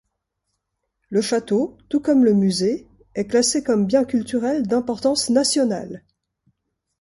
Le château, tout comme le musée, est classé comme bien culturel d'importance nationale.